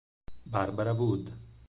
Barbara Wood